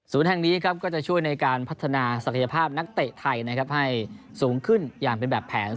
แห่งนี้ก็จะช่วยในการพัฒนาศักยภาพนักเตะไทยนะครับให้สูงขึ้นอย่างเป็นแบบแผน